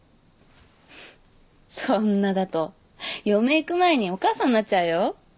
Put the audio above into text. そんなだと嫁行く前にお母さんになっちゃうよ。